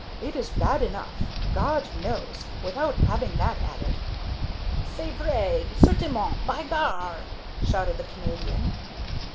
It is bad enough, God knows, without having that added!" "C'est vrai! Certainment! By gar!" shouted the Canadian.